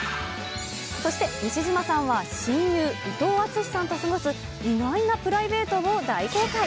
そして西島さんは親友、伊藤淳史さんと過ごす、意外なプライベートを大公開。